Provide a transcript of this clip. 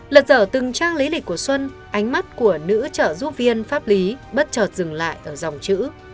lật dở từng trang lý lịch của xuân ánh mắt của nữ trợ giúp viên pháp lý bất chợt dừng lại ở dòng chữ